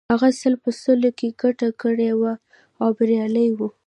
هغه سل په سلو کې ګټه کړې وه او بریالی و